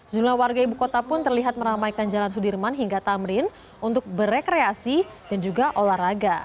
jumlah warga ibu kota pun terlihat meramaikan jalan sudirman hingga tamrin untuk berrekreasi dan juga olahraga